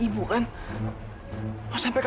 aku akan terus jaga kamu